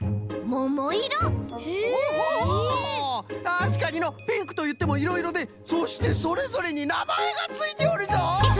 たしかにのピンクといってもいろいろでそしてそれぞれになまえがついておるぞ！